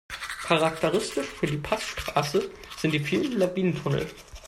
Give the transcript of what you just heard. Charakteristisch für die Passstraße sind die vielen Lawinentunnel.